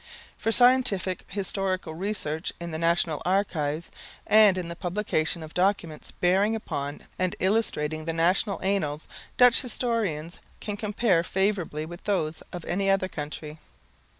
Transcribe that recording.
For scientific historical research in the national archives, and in the publication of documents bearing upon and illustrating the national annals, Dutch historians can compare favourably with those of any other country.